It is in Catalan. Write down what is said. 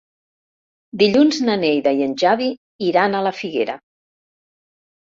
Dilluns na Neida i en Xavi iran a la Figuera.